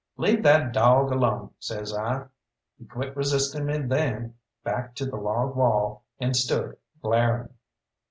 "Leave that dawg alone!" says I. He quit resisting me then, backed to the log wall, and stood glaring.